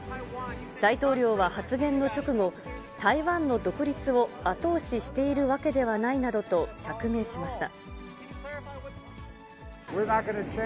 大統領は発言の直後、台湾の独立を後押ししているわけではないなどと釈明しました。